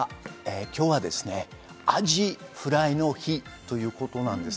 今日はアジフライの日ということなんです。